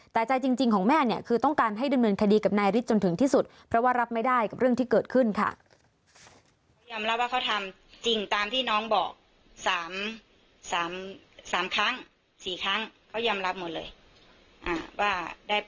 แต่ใจจริงของแม่เนี่ยคือต้องการให้ดำเนินคดีกับนายฤทธิ์จนถึงที่สุดเพราะว่ารับไม่ได้กับเรื่องที่เกิดขึ้นค่ะ